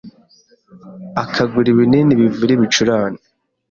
akagura ibinini bivura ibicurane